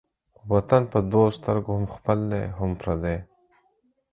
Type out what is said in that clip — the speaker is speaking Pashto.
وطن په دوو سترگو هم خپل دى هم پردى.